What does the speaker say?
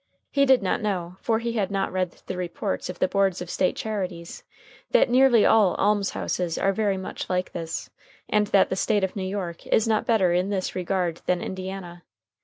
He did not know, for he had not read the reports of the Boards of State Charities, that nearly all alms houses are very much like this, and that the State of New York is not better in this regard than Indiana.